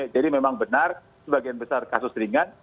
memang benar sebagian besar kasus ringan